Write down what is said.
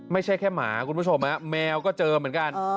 ไม่ใช่แค่หมาคุณผู้ชมแมวก็เจอเหมือนกัน